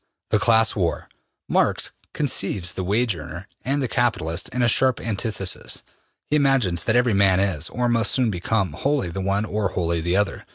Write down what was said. The Class War. Marx conceives the wage earner and the capitalist in a sharp antithesis. He imagines that every man is, or must soon become, wholly the one or wholly the other.